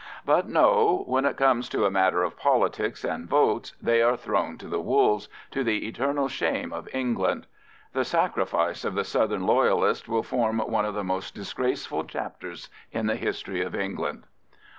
But no, when it comes to a matter of politics and votes they are thrown to the wolves, to the eternal shame of England. The sacrifice of the southern Loyalists will form one of the most disgraceful chapters in the history of England.